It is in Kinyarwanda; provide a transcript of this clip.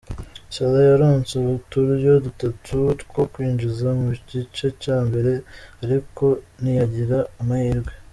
Salah yaronse uturyo dutatu two kwinjiza mu gice ca mbere, ariko ntiyagira amahirwe.